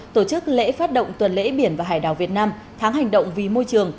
tổ chức lễ phát động tuần lễ biển và hải đảo việt nam tháng hành động vì môi trường